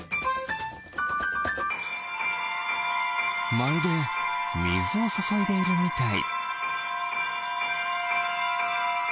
まるでみずをそそいでいるみたい。